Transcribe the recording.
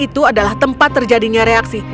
tempat terjadinya reaksi